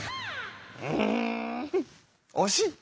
うんおしい！